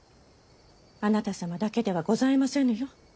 あなた様だけではございませぬよ。